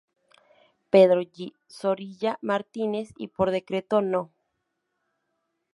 Pedro G. Zorrilla Martínez y por decreto No.